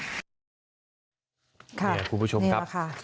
ค่ะนี่แหละค่ะคุณผู้ชมครับ